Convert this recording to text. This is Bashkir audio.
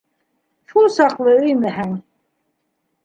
Шул саҡлы өймәһәң...